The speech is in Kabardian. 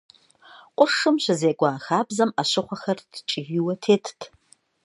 Къуршым щызекӏуэ а хабзэм ӏэщыхъуэхэр ткӏийуэ тетт.